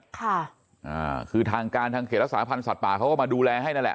ค่ะอ่าคือทางการทางเขตรักษาพันธ์สัตว์ป่าเขาก็มาดูแลให้นั่นแหละ